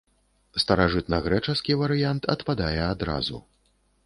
Старажытнагрэчаскі варыянт адпадае адразу.